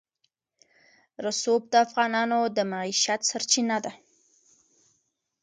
رسوب د افغانانو د معیشت سرچینه ده.